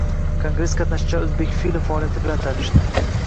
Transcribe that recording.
Kongress qatnashchilari O‘zbekfilm faoliyati bilan tanishdi